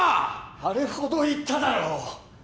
あれほど言っただろう